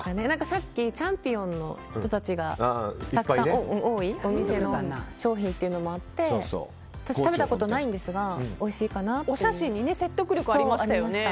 さっきチャンピオンの人たちがたくさん多いお店の商品というのもあって食べたことないんですがお写真に説得力がありましたよね。